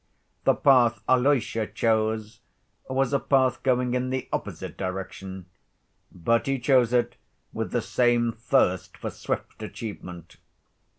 The path Alyosha chose was a path going in the opposite direction, but he chose it with the same thirst for swift achievement.